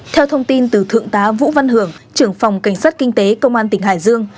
theo thông tin từ thượng tá vũ văn hưởng trưởng phòng cảnh sát kinh tế công an tỉnh hải dương